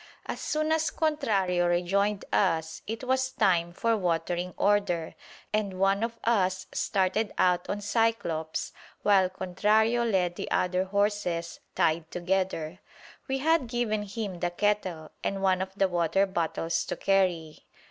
As soon as Contrario rejoined us it was time for "watering order"; and one of us started out on Cyclops, while Contrario led the other horses, tied together. We had given him the kettle and one of the water bottles to carry.